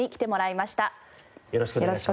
よろしくお願いします。